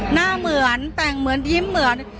หน้าเหมือนแต่งเหมือนยิ้มเหมือน